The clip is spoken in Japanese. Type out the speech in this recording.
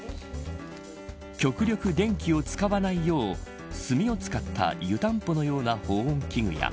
極力電気を使わないよう炭を使った湯たんぽのような保温器具も。